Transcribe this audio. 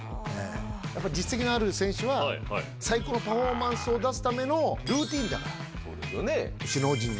やっぱ実績のある選手は、最高のパフォーマンスを出すためのルーティーンだから。